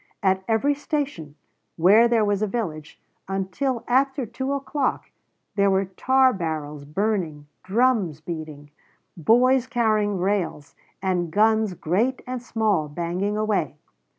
"At every station where there was a village, until after 2 o'clock, there were tar barrels burning, drums beating, boys carrying rails, and guns great and small banging away.